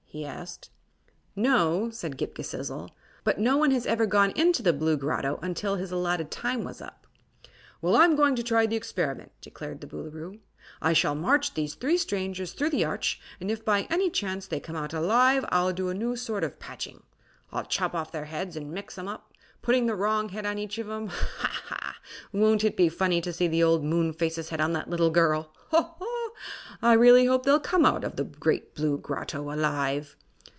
he asked. "No," said Ghip Ghisizzle. "But no one has ever gone into the Blue Grotto until his allotted time was up." "Well, I'm going to try the experiment," declared the Boolooroo. "I shall march these three strangers through the Arch, and if by any chance they come out alive I'll do a new sort of patching I'll chop off their heads and mix 'em up, putting the wrong head on each of 'em. Ha, ha! Won't it be funny to see the old Moonface's head on the little girl? Ho, Ho! I really hope they'll come out of the Great Blue Grotto alive!"